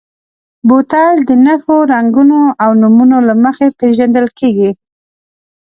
بوتل د نښو، رنګونو او نومونو له مخې پېژندل کېږي.